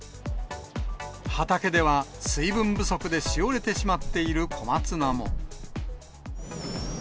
畑では水分不足でしおれてしまっている小松菜も。